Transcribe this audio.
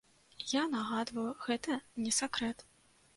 Я нагадваю, гэта не сакрэт.